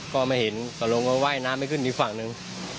ก็ไม่เห็นก็ลงก็ว่ายน้ำไม่ขึ้นอีกฝั่งหนึ่ง